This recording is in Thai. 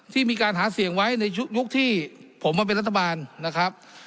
ที่มีการหาเสียงไว้ในยุคที่ผมมาเป็นรัฐบาลนะครับ